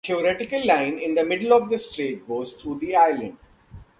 A theoretical line in the middle of the strait goes through the island.